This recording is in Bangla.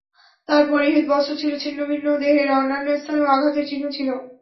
তার পরিহিত বস্ত্র ছিল ছিন্ন ভিন্ন দেহের অন্যান্য স্থানেও আঘাতের চিহ্ন ছিল।